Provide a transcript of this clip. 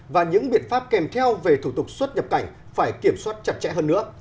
và những biện pháp kèm theo về thủ tục xuất nhập cảnh phải kiểm soát chặt chẽ hơn nữa